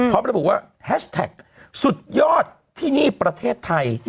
เขาบอกว่าแฮชแท็กสุดยอดที่นี่ประเทศไทย